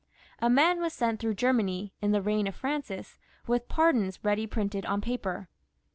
A man was sent through Germany, in the reign of Francis, with pardons ready printed on paper.